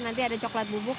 nanti ada coklat bubuk